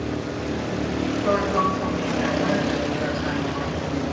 พลอยปลอมส่องประกายมากแต่มีราคาน้อย